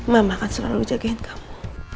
mama akan selalu jagain kamu